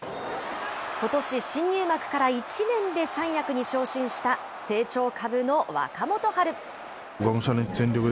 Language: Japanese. ことし、新入幕から１年で三役に昇進した成長株の若元春。